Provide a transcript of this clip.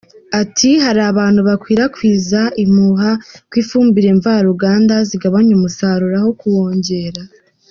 Ati “Hari abantu bakwirakwiza impuha ko ifumbire mva ruganda zigabanya umusaruro aho kuwongera.